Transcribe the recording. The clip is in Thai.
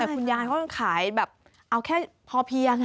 แต่ว่าคุณยายเขาจะขายแบบเอาแค่พอเพียง